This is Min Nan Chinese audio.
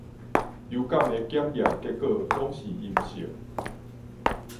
流感的檢驗結果攏是陰性